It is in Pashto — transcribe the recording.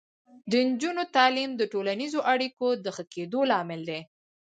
د نجونو تعلیم د ټولنیزو اړیکو د ښه کیدو لامل دی.